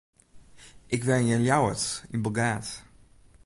Ik wenje yn Ljouwert, yn Bilgaard.